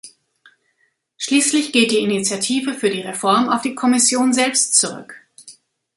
Schließlich geht die Initiative für die Reform auf die Kommission selbst zurück.